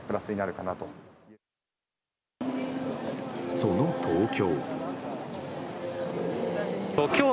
その東京。